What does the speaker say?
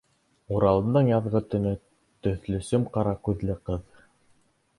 Уралымдың яҙғы төнө төҫлө сөм-ҡара күҙле ҡыҙ...